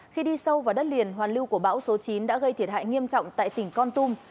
khi đi sâu vào đất liền hoàn lưu của bão số chín đã gây thiệt hại nghiêm trọng tại tỉnh con tum